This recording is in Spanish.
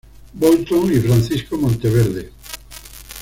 Boulton y Francisco Monteverde.